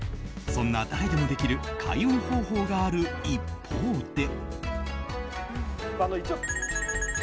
そんな誰でもできる開運方法がある一方で。